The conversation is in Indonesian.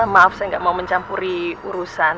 maaf saya nggak mau mencampuri urusan